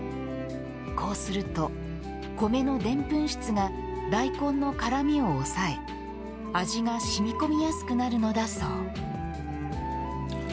こうすると米のでんぷん質が大根の辛味を抑え味が染み込みやすくなるのだそう。